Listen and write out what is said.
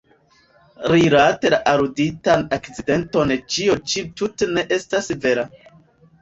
Rilate la aluditan akcidenton ĉio ĉi tute ne estas vera.